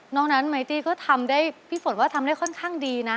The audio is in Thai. น้องนั้นไมตี้ก็ทำได้พี่ฝนว่าทำได้ค่อนข้างดีนะ